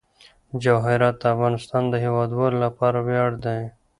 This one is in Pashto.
جواهرات د افغانستان د هیوادوالو لپاره ویاړ دی.